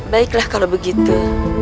baiklah kalau begitu